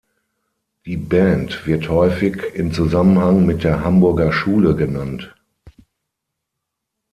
Die Band wird häufig in Zusammenhang mit der Hamburger Schule genannt.